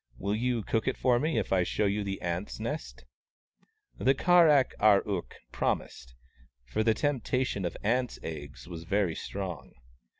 Will you cook it for me, if I show you the ants' nest ?" The Kar ak ar ook promised, for the tempta tion of the ants' eggs was very strong.